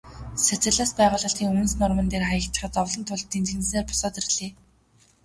Социалист байгуулалтын үнс нурман дээр хаягдчихаад зовлон туулж дэнжгэнэсээр босоод ирлээ.